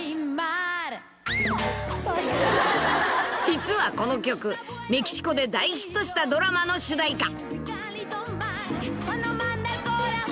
［実はこの曲メキシコで大ヒットしたドラマの主題歌］